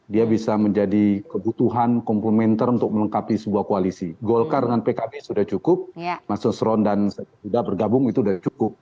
dia bisa menjadi kebutuhan komplementer untuk melengkapi sebuah koalisi golkar dengan pkb sudah cukup mas nusron dan sudah bergabung itu sudah cukup